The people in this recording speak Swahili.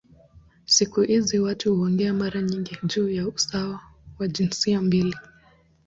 Siku hizi watu huongea mara nyingi juu ya usawa wa jinsia mbili.